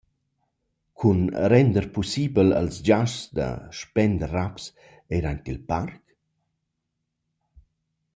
Cun render pussibel als giasts da spender raps eir aint il Parc?